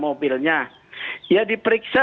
mobilnya ya diperiksa